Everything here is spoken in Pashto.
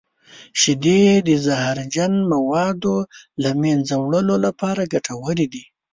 شیدې د زهرجن موادو د له منځه وړلو لپاره ګټورې دي.